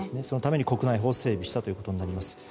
そのために国内法を整備したことになります。